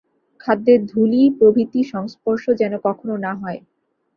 খাদ্যে ধূলি প্রভৃতি সংস্পর্শ যেন কখনও না হয়।